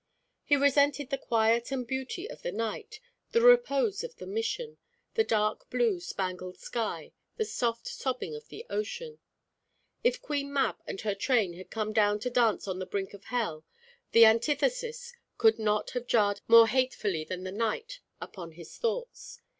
He resented the quiet and beauty of the night, the repose of the Mission, the dark blue spangled sky, the soft sobbing of the ocean. If Queen Mab and her train had come down to dance on the brink of hell, the antithesis could not have jarred more hatefully than the night upon his thoughts.